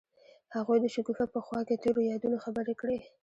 هغوی د شګوفه په خوا کې تیرو یادونو خبرې کړې.